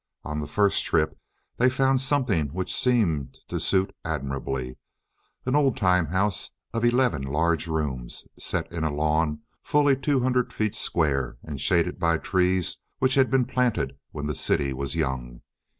On the first trip they found something which seemed to suit admirably—an old time home of eleven large rooms, set in a lawn fully two hundred feet square and shaded by trees which had been planted when the city was young.